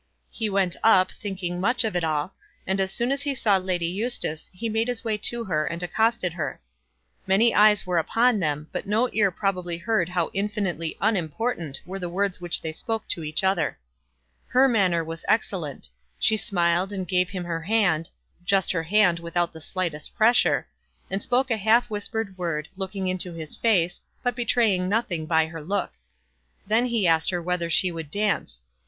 He went up, thinking much of it all, and as soon as he saw Lady Eustace he made his way to her and accosted her. Many eyes were upon them, but no ear probably heard how infinitely unimportant were the words which they spoke to each other. Her manner was excellent. She smiled and gave him her hand, just her hand without the slightest pressure, and spoke a half whispered word, looking into his face, but betraying nothing by her look. Then he asked her whether she would dance.